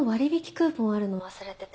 クーポンあるの忘れててさ。